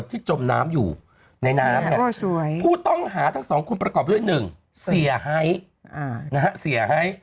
ที่จมน้ำอยู่ในน้ำผู้ต้องหาทั้ง๒คนประกอบด้วย๑เสียไฮ